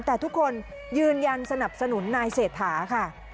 แต่ทุกคนยืนยันสนับสนุนนายเศรษฐาค่ะ